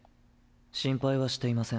心配はしていません。